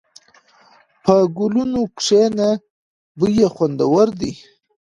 په ګلونو کښېنه، بوی یې خوندور دی.